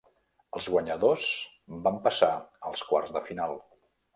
Els guanyadors van passar als quarts de final.